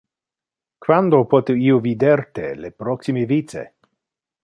Quando pote io vider te le proxime vice?